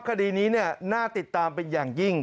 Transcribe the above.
คดีนี้น่าติดตามเป็นอย่างยิ่ง